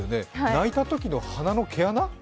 泣いたときの鼻の毛穴？